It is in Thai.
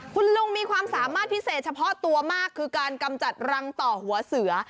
คุณลุงมีความสามารถพิเศษเฉพาะตัวมากคือการกำจัดรังต่อหัวเสือ